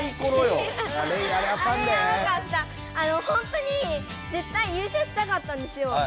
ほんとに絶対優勝したかったんですよ。